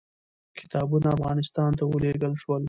کتابونه افغانستان ته ولېږل شول.